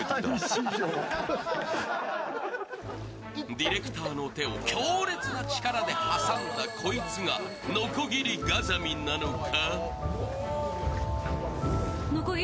ディレクターの手を強烈な力でつかんだこいつがノコギリガザミなのか？